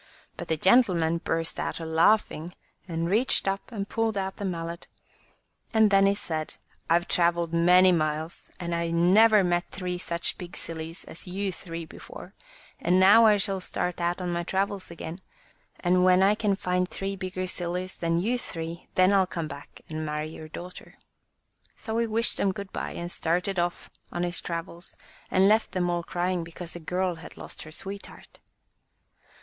But the gentleman burst out a laughing, and reached up and pulled out the mallet, and then he said: "Fve 8i M Y BOOK HOUSE travelled many miles, and I never met three such big sillies as you three before; and now I shall start out on my travels again, and when I can find three bigger sillies than you three, then FU come back and marry your daughter." So he wished them good bye, and started off on his travels, and left them all crying because the girl had lost her sweetheart.